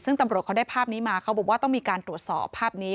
ซึ่งตำรวจเขาได้ภาพนี้มาเขาบอกว่าต้องมีการตรวจสอบภาพนี้